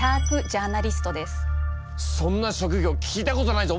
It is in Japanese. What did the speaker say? そんな職業聞いたことないぞ。